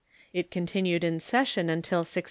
It contin iied in session until 1647.